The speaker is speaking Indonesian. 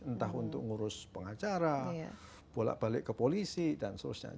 entah untuk ngurus pengacara bolak balik ke polisi dan seterusnya